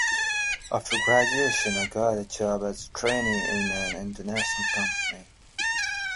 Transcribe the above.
After graduation, I got a job as a trainee in an international company.